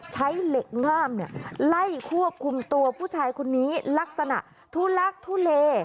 ใช้เหล็กง่ามไล่ควบคุมตัวผู้ชายคนนี้ลักษณะทุลักทุเล